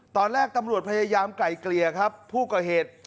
ตอนแรกตำรวจพยายามไกลเกลี่ยครับผู้ก่อเหตุ